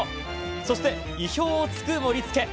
そして、意表をつく盛り付け。